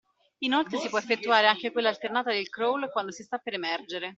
Inoltre si può effettuare anche quella alternata del crawl quando si sta per emergere.